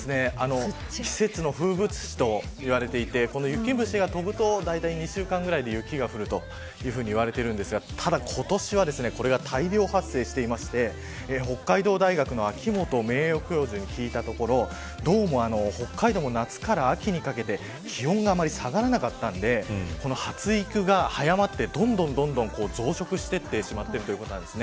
季節の風物詩と言われていてこの雪虫が飛ぶとだいたい２週間ぐらいで雪が降るというふうに言われていますがただ、今年はこれが大量発生していまして北海道大学の秋元名誉教授に聞いたところ北海道も夏から秋にかけて気温があまり下がらなかったので発育が早まってどんどん増殖してしまっているということです。